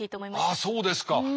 ああそうですか。